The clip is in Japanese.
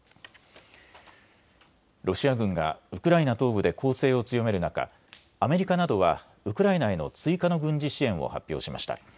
ロシア軍がウクライナ東部で攻勢を強める中、アメリカなどはウクライナへの追加の軍事支援を発表しました。